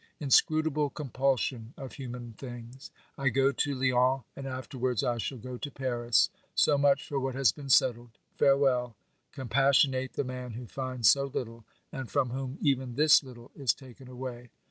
Inscrutable compulsion of human things ! I go to Lyons, and afterwards I shall go to Paris. So much for what has been settled. Farewell ! Compassionate the man who finds so little, and from whom even this little is taken away.